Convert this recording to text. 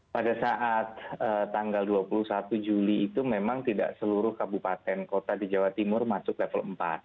pada saat tanggal dua puluh satu juli itu memang tidak seluruh kabupaten kota di jawa timur masuk level empat